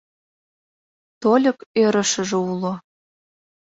Тольык ӧрышыжӧ уло.